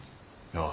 ああ。